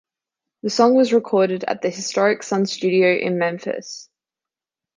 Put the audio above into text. The song was recorded at the historic Sun Studio in Memphis.